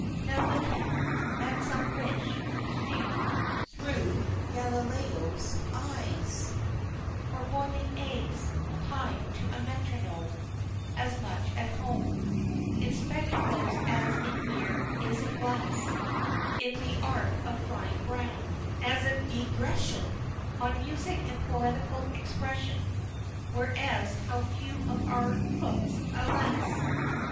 Now looking At some rich stew thro' Galileo's eyes, Or boiling eggs timed to a metronome As much at home In spectacles as in mere isinglass In the art of frying brown as a digression On music and poetical expression, Whereas, how few of all our cooks, alas!